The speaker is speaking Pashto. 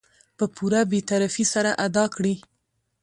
په پوره بې طرفي سره ادا کړي .